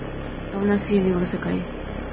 Aun así, el libro se cae.